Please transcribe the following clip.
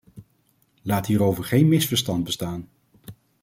Laat hierover geen misverstand bestaan.